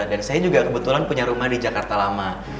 dan saya juga kebetulan punya rumah di jakarta lama